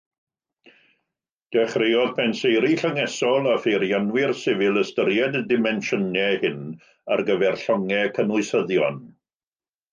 Dechreuodd penseiri llyngesol a pheirianwyr sifil ystyried y dimensiynau hyn ar gyfer llongau cynwysyddion.